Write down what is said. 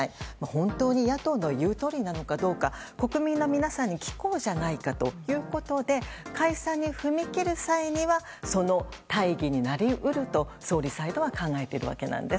本当に野党の言うとおりなのかどうか国民の皆さんに聞こうじゃないかということで解散に踏み切る際にはその大義になり得ると総理サイドは考えているわけなんです。